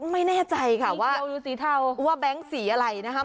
ไม่แน่ใจค่ะว่าแบงค์สีอะไรนะคะ